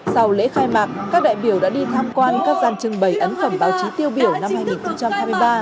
sau lễ khai mạc các đại biểu đã đi tham quan các gian trưng bày ấn phẩm báo chí tiêu biểu năm hai nghìn hai mươi ba